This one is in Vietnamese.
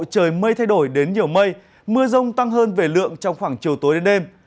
trời mây thay đổi đến nhiều mây mưa rông tăng hơn về lượng trong khoảng chiều tối đến đêm